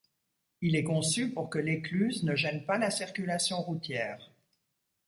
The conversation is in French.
Il est conçu pour que l'écluse ne gène pas la circulation routière.